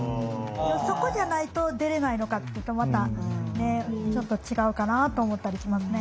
そこじゃないと出れないのかっていうとまたちょっと違うかなと思ったりしますね。